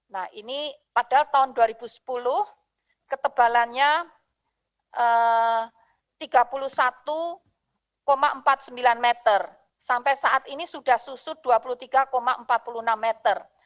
nah ini padahal tahun dua ribu sepuluh ketebalannya tiga puluh satu empat puluh sembilan meter sampai saat ini sudah susut dua puluh tiga empat puluh enam meter